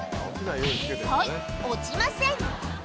はい、落ちません。